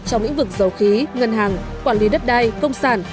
trong lĩnh vực dầu khí ngân hàng quản lý đất đai công sản